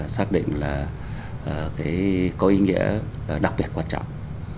xác định là có ý nghĩa đặc biệt quan trọng